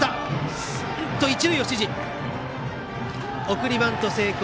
送りバント成功。